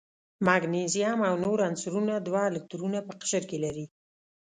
مګنیزیم او نور عنصرونه دوه الکترونه په قشر کې لري.